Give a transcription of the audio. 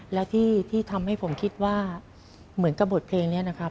แล้วที่ทำให้ผมคิดว่าเหมือนกับบทเพลงนี้นะครับ